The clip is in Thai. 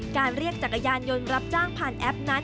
เรียกจักรยานยนต์รับจ้างผ่านแอปนั้น